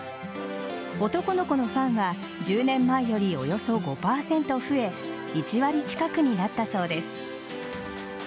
男の子のファンは１０年前よりおよそ５％増え１割近くになったそうです。